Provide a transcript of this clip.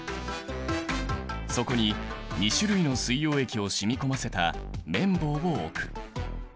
そこに２種類の水溶液を染み込ませた綿棒を置く。